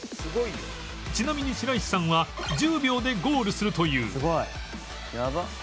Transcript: ちなみに白石さんは１０秒でゴールするという